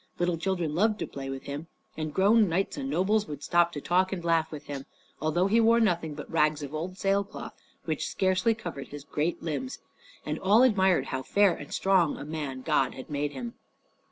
Little children loved to play with him; and grown knights and nobles would stop to talk and laugh with him, although he wore nothing but rags of old sail cloth which scarcely covered his great limbs, and all admired how fair and strong a man God had made him.